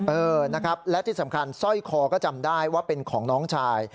เออนะครับและที่สำคัญสร้อยคอก็จำได้ว่าเป็นของน้องชาย